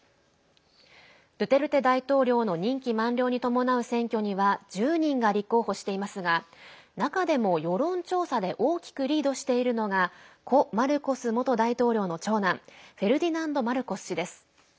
ドゥテルテ大統領の任期満了に伴う選挙には１０人が立候補していますが中でも世論調査で大きくリードしているのが故マルコス元大統領の長男フェルディナンド・マルコス氏です。